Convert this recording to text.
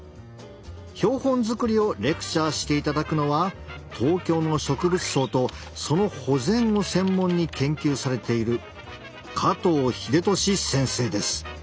標本作りをレクチャーしていただくのは東京の植物相とその保全を専門に研究されている加藤英寿先生です。